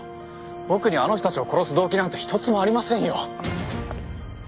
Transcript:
僕にはあの人たちを殺す動機なんて一つもありませんよ。